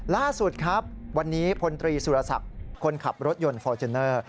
ล่าสุดครับวันนี้พลตรีสุรศักดิ์คนขับรถยนต์ฟอร์จูเนอร์